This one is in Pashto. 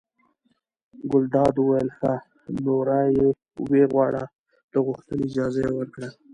ګلداد وویل ښه! نو را ویې غواړه د غوښتلو اجازه یې ورکړه.